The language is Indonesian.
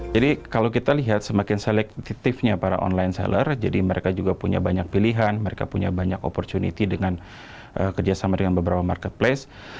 jadi kalau kita lihat semakin selektifnya para online seller jadi mereka juga punya banyak pilihan mereka punya banyak opportunity dengan kerjasama dengan beberapa marketplace